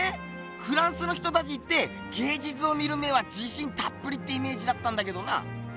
フランスの人たちって芸術を見る目はじしんたっぷりってイメージだったんだけどな！